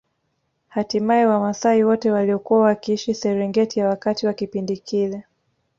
Hatimaye wamaasai wote waliokuwa wakiishi Serengeti ya wakati wa kipindi kile